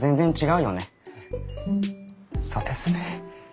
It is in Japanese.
そうですね。